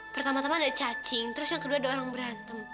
pertama tama ada cacing terus yang kedua ada orang berantem